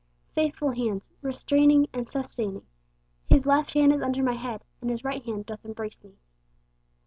Faithful hands, restraining and sustaining. 'His left hand is under my head, and His right hand doth embrace me.'